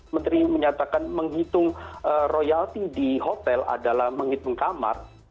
menteri menyatakan menghitung royalti di hotel adalah menghitung kamar